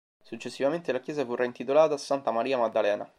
Successivamente la chiesa fu reintitolata a santa Maria Maddalena.